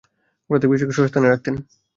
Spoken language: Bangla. প্রত্যেক বিষয়কে স্বস্থানে রাখতেন।